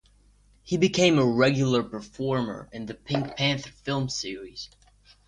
He became a regular performer in the "Pink Panther" film series.